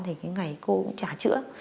thì cái ngày cô trả chữa